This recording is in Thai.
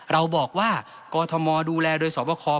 เราบอกว่ากฎมอลดูแลโดยสวคคล